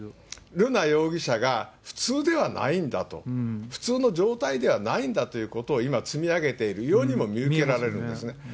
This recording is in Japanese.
瑠奈容疑者が普通ではないんだと、普通の状態ではないんだということを今、積み上げているようにも見受けられるんですね。